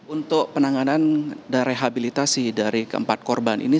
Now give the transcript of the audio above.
untuk penanganan dan rehabilitasi dari keempat korban ini